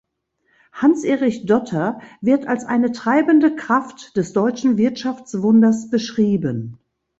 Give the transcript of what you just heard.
Hans Erich Dotter wird als eine treibende Kraft des deutschen Wirtschaftswunders beschrieben.